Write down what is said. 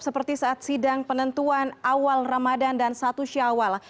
seperti saat sidang penentuan awal ramadan dan satu syawal